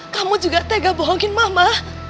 kamu juga tega bohongin mama